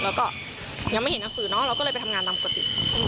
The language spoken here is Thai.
แล้วก็ยังไม่เห็นหนังสือเนาะเราก็เลยไปทำงานตามกุฏิ